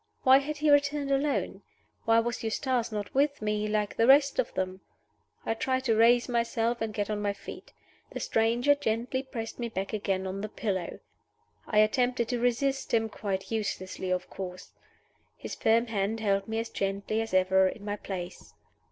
Why had he returned alone? Why was Eustace not with me, like the rest of them? I tried to raise myself, and get on my feet. The stranger gently pressed me back again on the pillow. I attempted to resist him quite uselessly, of course. His firm hand held me as gently as ever in my place.